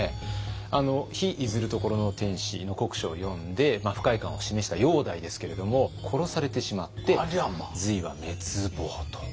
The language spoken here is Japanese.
「日出ずる処の天子」の国書を読んで不快感を示した煬帝ですけれども殺されてしまって隋は滅亡と。